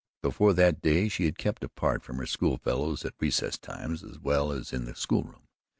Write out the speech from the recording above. Before that day she had kept apart from her school fellows at recess times as well as in the school room.